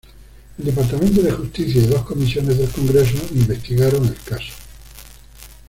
El departamento de Justicia y dos comisiones del congreso investigaron el caso.